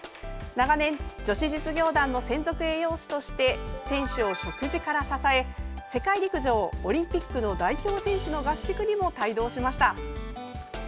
長年、女子実業団の専属栄養士として選手を食事から支え世界陸上オリンピックの代表選手の合宿にも帯同しました。